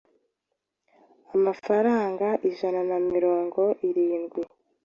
amafaranga ijana namirongo irindwi